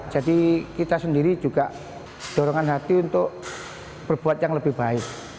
jadi kita sendiri juga jorongan hati untuk berbuat yang lebih baik